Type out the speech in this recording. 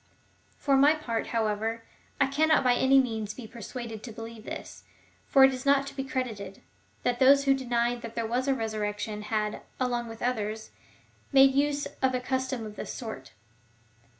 For my part, however, I cannot by any means be persuaded to believe this,^ for it is not to be credited, that those who denied that there was a resurrection had, along with others^ made use of a custom of this sort.